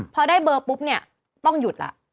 พอได้เบอร์ปุ๊บเนี่ยต้องหยุดแล้ว